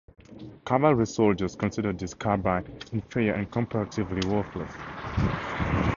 Cavalry soldiers considered this carbine inferior and "comparatively worthless".